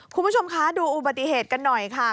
คุณผู้ชมคะดูอุบัติเหตุกันหน่อยค่ะ